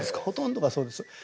ほとんどがそうです。